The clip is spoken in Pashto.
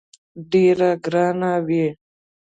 ډېره ګرانه وي.